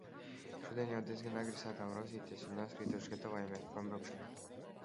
Šodien jau diezgan agri sākām rosīties un neuzkrītoši gatavoties prombraukšanai.